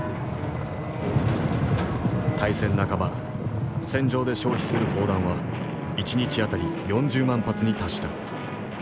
大戦半ば戦場で消費する砲弾は一日当たり４０万発に達した。